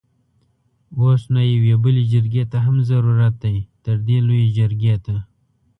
اوس نو يوې بلې جرګې ته هم ضرورت دی؛ تردې لويې جرګې ته!